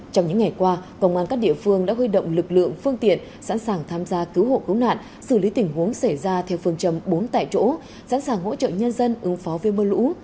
trong những ngày qua công an các địa phương đã huy động lực lượng phương tiện sẵn sàng tham gia cứu hộ cứu nạn xử lý tình huống xảy ra theo phương trầm bốn tại chỗ sẵn sàng hỗ trợ nhân dân ứng phó với mưa lũ